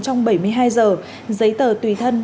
trong bảy mươi hai giờ giấy tờ tùy thân